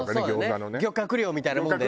漁獲量みたいなものだよね。